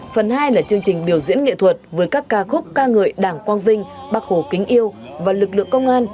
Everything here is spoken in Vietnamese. phần hai là chương trình biểu diễn nghệ thuật với các ca khúc ca ngợi đảng quang vinh bác hồ kính yêu và lực lượng công an